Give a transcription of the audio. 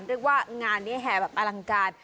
เรียกว่างานนี้แห่แบบอลังการ